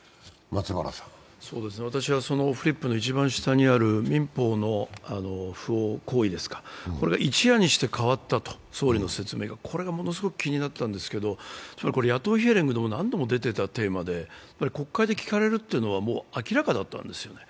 私はそのフリップの一番下にある民法の不法行為ですか、これが一夜にして総理の説明が変わったのがものすごく気になったんですけれども、野党ヒアリングでも何度も出ていたテーマで国会で聞かれるのはもう明らかだったんですよね。